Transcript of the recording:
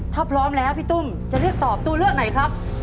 ถ้าพร้อมแล้วพี่ตุ้มจะเลือกตอบตัวเลือกไหนครับ